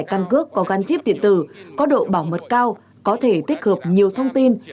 công dân có thẻ căn cước có gắn chip điện tử có độ bảo mật cao có thể tích hợp nhiều thông tin